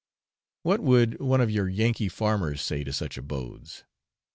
What would one of your Yankee farmers say to such abodes?